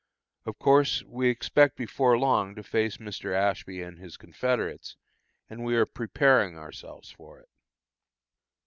Of course, we expect before long to face Mr. Ashby and his confederates, and we are preparing ourselves for it.